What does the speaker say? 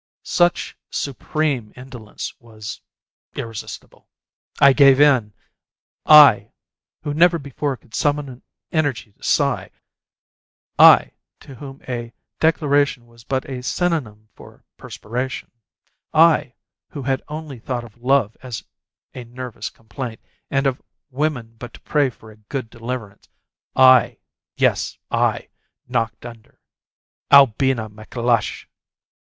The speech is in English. Such supreme indolence was irresistible. I gave in I who never before could summon energy to sigh I to whom a declaration was but a synonym for perspiration I who had only thought of love as a nervous complaint, and of women but to pray for a good deliverance I yes I knocked under. Albina McLush!